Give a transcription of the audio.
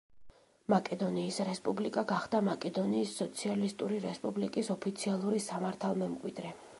მაკედონიის რესპუბლიკა გახდა მაკედონიის სოციალისტური რესპუბლიკის ოფიციალური სამართალმემკვიდრე.